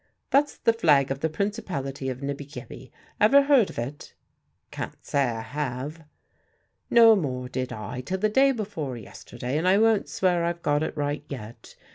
"That's the flag of the Principality of Nibby Gibby. Ever heard of it?" "Can't say I have." "No more did I till the day before yesterday, and I won't swear I've got it right yet.